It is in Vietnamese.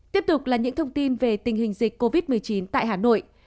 tiếp tục là những thông tin về tình hình dịch covid một mươi chín tại hà nội